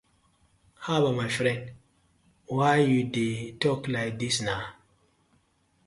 Habbah my friend why yu dey tok like dis na.